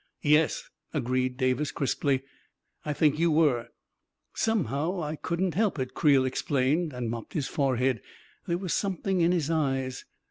44 Yes," agreed Davis crisply, " I think you were." 41 Somehow I couldn't help it," Creel explained, and mopped his forehead. " There was something in his eyes